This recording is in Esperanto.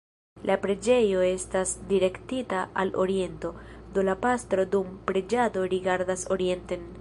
La preĝejo estas direktita al oriento, do la pastro dum preĝado rigardas orienten.